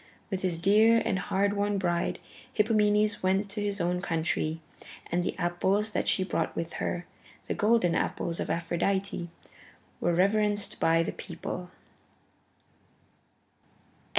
With his dear and hard won bride, Hippomenes went to his own country, and the apples that she brought with her, the golden apples of Aphrodite, were reverenced by the people.